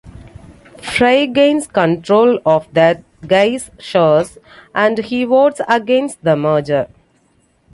Fry gains control of That Guy's shares, and he votes against the merger.